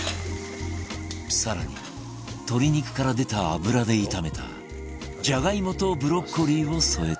更に鶏肉から出た脂で炒めたじゃがいもとブロッコリーを添えて